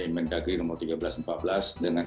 imen dagri nomor seribu tiga ratus empat belas dengan